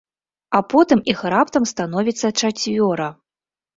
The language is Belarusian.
А потым іх раптам становіцца чацвёра.